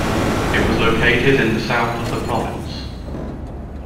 It was located in the south of the province.